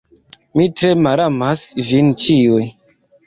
Mi tre malamas vin ĉiuj.